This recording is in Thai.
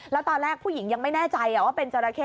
แล้วตอนแรกผู้หญิงยังไม่แน่ใจว่าเป็นจราเข้